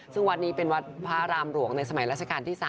ซึ่งวัดนี้เป็นวัดพระรามหลวงในสมัยราชการที่๓